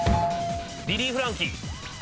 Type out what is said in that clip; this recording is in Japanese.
リリー・フランキー。